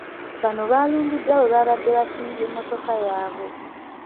Bano baalumbiddwa webaabadde baasimbye mmotoka yaabwe.